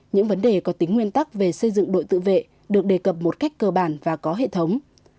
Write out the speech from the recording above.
những vấn đề có tính nguyên tắc về xây dựng đội tự vệ được đề cập một cách cơ bản và có hệ thống